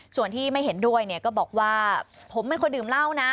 ส่วนที่ไม่เห็นด้วยเนี่ยก็บอกว่าผมเป็นคนดื่มเหล้านะ